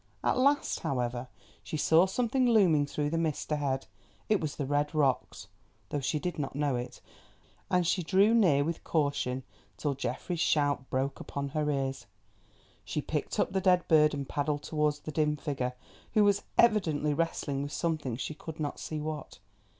At last, however, she saw something looming through the mist ahead; it was the Red Rocks, though she did not know it, and she drew near with caution till Geoffrey's shout broke upon her ears. She picked up the dead bird and paddled towards the dim figure who was evidently wrestling with something, she could not see what.